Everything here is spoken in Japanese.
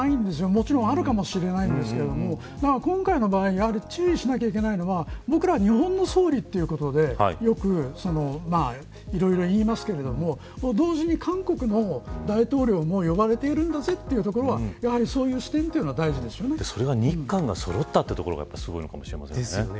もちろんあるかもしれないんですけど今回の場合注意しなければいけないのは僕らは日本の総理ということでいろいろ言いますけれども同時に韓国の大統領も呼ばれているんだぜというところはやはりそういう視点はそれが日韓がそろったというのがすごいのかもしれませんね。